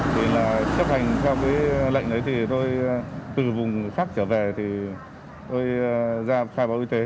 thì là xếp hành theo lệnh ấy thì tôi từ vùng khác trở về thì tôi ra khai báo y tế